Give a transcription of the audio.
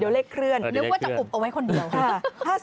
เดี๋ยวเลขเคลื่อนนึกว่าจะอุบเอาไว้คนเดียว